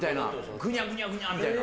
ぐにゃぐにゃぐにゃみたいな？